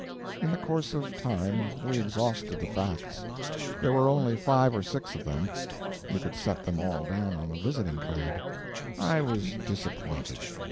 In the course of time we exhausted the facts. There were only five or six of them; you could set them all down on a visiting card. I was disappointed.